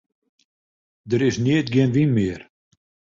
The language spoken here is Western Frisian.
Der is neat gjin wyn mear.